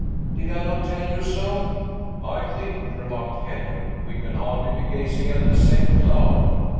did I not tell you so?" "I think," remarked Kenyon, "we can hardly be gazing at the same cloud.